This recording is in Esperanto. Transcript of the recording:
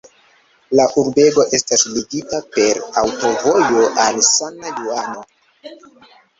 La urbego estas ligita per aŭtovojo al San-Juano.